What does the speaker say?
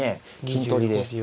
金取りです。